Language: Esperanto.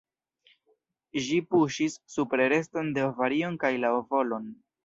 Ĝi puŝis supre reston de ovarion kaj la ovolon.